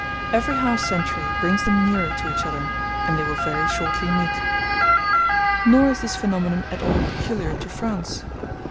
Every half century brings them nearer to each other, and they will very shortly meet. Nor is this phenomenon at all peculiar to France.